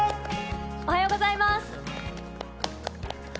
おはようございます。